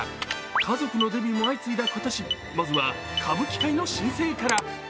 家族のデビューも相次いだ今年まずは歌舞伎界の新星から。